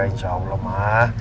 insya allah ma